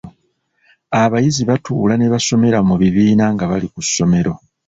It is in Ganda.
Abayizi batuula ne basomera mu bibiina nga bali ku ssomero.